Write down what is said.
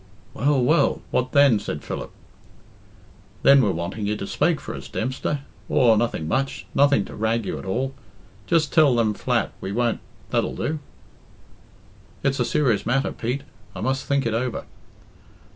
"Well, well! What then?" said Philip. "Then we're wanting you to spake for us, Dempster. Aw, nothing much nothing to rag you at all. Just tell them flat we won't that'll do." "It's a serious matter, Pete. I must think it over."